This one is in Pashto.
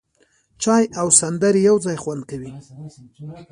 چای او سندرې یو ځای خوند کوي.